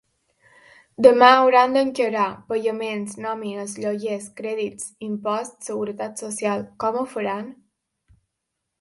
Demà hauran d’encarar pagaments, nòmines, lloguers, crèdits, imposts, seguretat social… Com ho faran?